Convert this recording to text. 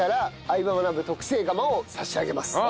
相葉マナブ』特製釜を差し上げます。